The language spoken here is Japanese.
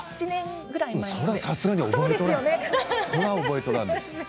７年ぐらい前です。